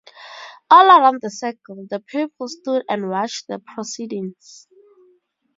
All around the circle, the people stood and watched the proceedings.